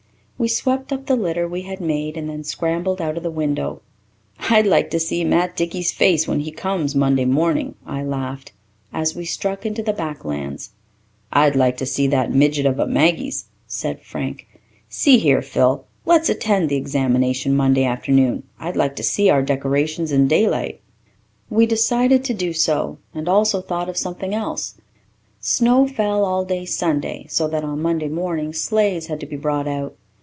We swept up the litter we had made, and then scrambled out of the window. "I'd like to see Matt Dickey's face when he comes Monday morning," I laughed, as we struck into the back lands. "I'd like to see that midget of a Maggie's," said Frank. "See here, Phil, let's attend the examination Monday afternoon. I'd like to see our decorations in daylight." We decided to do so, and also thought of something else. Snow fell all day Sunday, so that, on Monday morning, sleighs had to be brought out.